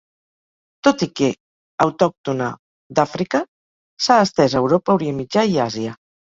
Tot i que autòctona d'Àfrica, s'ha estès a Europa, Orient Mitjà i Àsia.